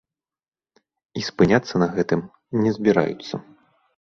І спыняцца на гэтым не збіраюцца.